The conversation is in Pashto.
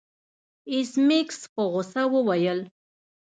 ایس میکس په غوسه وویل